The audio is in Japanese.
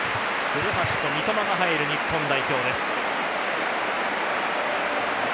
古橋と三笘が入る日本代表です。